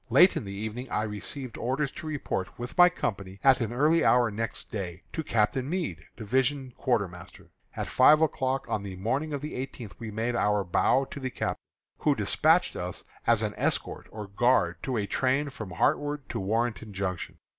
Late in the evening I received orders to report, with my company, at an early hour next day, to Captain Meade, division quartermaster. At five o'clock on the morning of the eighteenth we made our bow to the captain, who despatched us as an escort or guard to a train from Hartwood to Warrenton Junction.